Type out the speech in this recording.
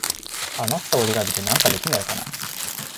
あまった折り紙でなんかできないかな。